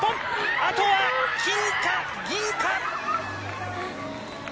あとは金か銀か！